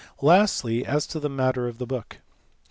Lastly, as to the matter of the book.